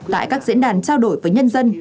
tại các diễn đàn trao đổi với nhân dân